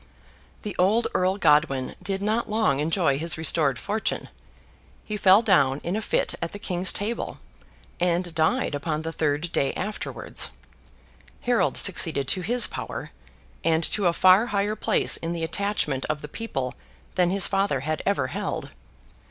The old Earl Godwin did not long enjoy his restored fortune. He fell down in a fit at the King's table, and died upon the third day afterwards. Harold succeeded to his power, and to a far higher place in the attachment of the people than his father had ever held.